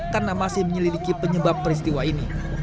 karena masih menyelidiki penyebab peristiwa ini